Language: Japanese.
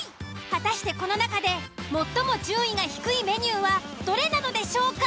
果たしてこの中で最も順位が低いメニューはどれなのでしょうか？